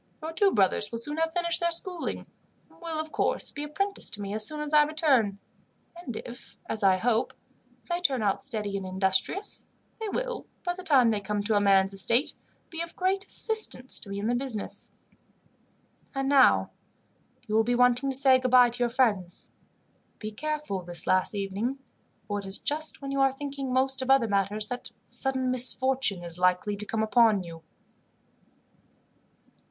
Your two brothers will soon have finished their schooling, and will, of course, be apprenticed to me as soon as I return; and if, as I hope, they turn out steady and industrious; they will, by the time they come to man's estate, be of great assistance to me in the business. "And now, you will be wanting to say goodbye to your friends. Be careful this last evening, for it is just when you are thinking most of other matters, that sudden misfortune is likely to come upon you."